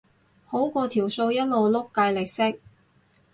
好過條數一路碌計利息